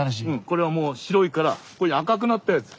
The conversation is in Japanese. これはもう白いからこういうふうに赤くなったやつ。